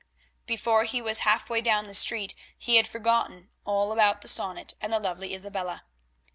Before he was halfway down the street he had forgotten all about the sonnet and the lovely Isabella.